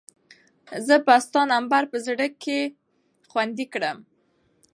زه به ستا نمبر په خپل زړه کې خوندي کړم.